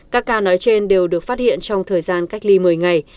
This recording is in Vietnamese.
các ca nói trên đều được phát hiện trong thời gian cách ly một mươi ngày